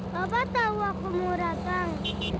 bapak tahu aku murah kang